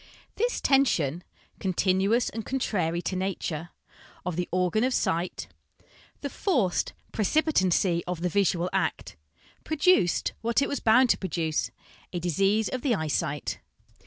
... This tension, continuous and contrary to nature, of the organ of sight, the forced precipi tancy of the visual act, produced what it was bound to produce, a disease of the eyesight."